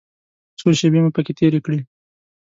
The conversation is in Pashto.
څو شېبې مو پکې تېرې کړې.